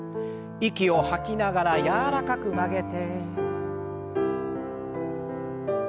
息を吐きながら柔らかく曲げて。